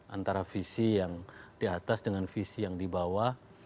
antara visi yang di atas dengan visi yang di bawah